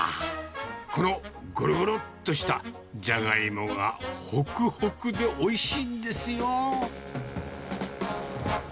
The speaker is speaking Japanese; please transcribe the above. このごろごろっとしたじゃがいもが、ほくほくでおいしいんですよ。